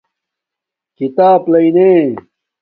کھیتاپ لݵنا